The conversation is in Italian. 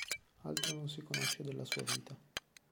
Altro non si conosce della sua vita.